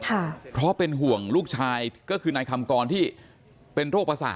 ตอนนั้นเขาก็เลยรีบวิ่งออกมาดูตอนนั้นเขาก็เลยรีบวิ่งออกมาดู